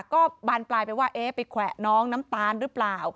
ก็บานปลายไปว่าเอ๊ะไปแขวะน้องน้ำตาลหรือเปล่า